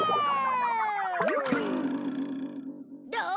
どう？